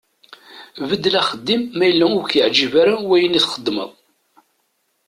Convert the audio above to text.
Beddel axeddim ma yella ur ak-yeɛǧib ara wayen i txeddmeḍ.